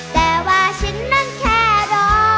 แต่ว่าฉันนั้นแค่รอ